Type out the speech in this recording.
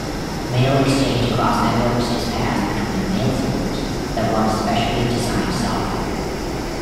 Mail exchanged across networks is passed between mail servers that run specially designed software.